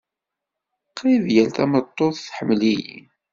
Qrib yal tameṭṭut tḥemmel-iyi.